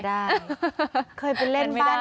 ไม่น่าจะได้